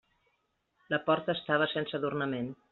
La porta estava sense adornament.